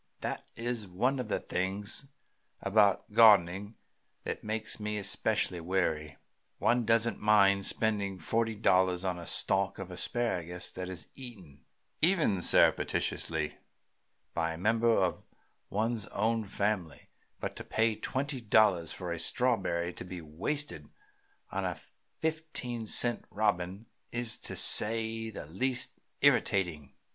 That is one of the things about gardening that make me especially weary. One doesn't mind spending forty four dollars on a stalk of asparagus that is eaten, even surreptitiously, by a member of one's own family; but to pay twenty dollars for a strawberry to be wasted on a fifteen cent robin is, to say the least, irritating."